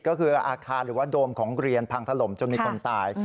ก็คืออาคารหรือว่าโดมของเรียนพังถล่มจนมีคนตาย